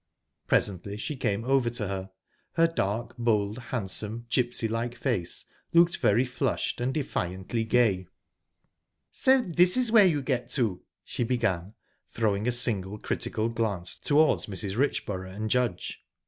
Presently she came over to her, her dark, bold, handsome, gypsy like face looked very flushed and defiantly gay. "So this is where you get to!" she began, throwing a single critical glance towards Mrs. Richborough and Judge.